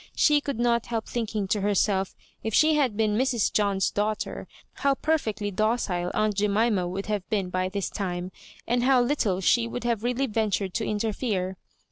She could not help thinking to herself, if she had been Mra John's daughter, how perfectly docile aunt Jemima would have been by this time, and how little she would have really ventured to interfere.